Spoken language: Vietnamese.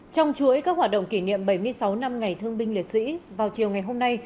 trong chuỗi các hoạt động kỷ niệm bảy mươi sáu năm ngày thương binh liệt sĩ vào chiều ngày hôm nay